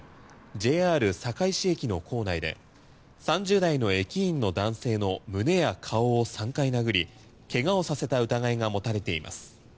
ＪＲ堺市駅の構内で３０代の駅員の男性の胸や顔を３回殴り怪我をさせた疑いが持たれています。